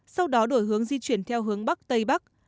sau đó đổi hướng di chuyển theo hướng bắc tây bắc